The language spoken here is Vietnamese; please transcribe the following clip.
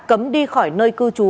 cấm đi khỏi nơi cư trú